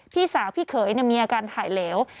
พี่สาวพี่เขยมีอาการถ่ายเหลว